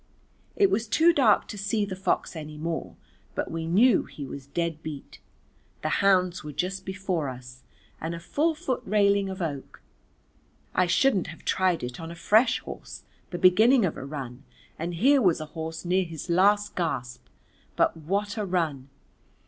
It was too dark to see the fox any more but we knew he was dead beat, the hounds were just before us, and a four foot railing of oak. I shouldn't have tried it on a fresh horse the beginning of a run, and here was a horse near his last gasp. But what a run!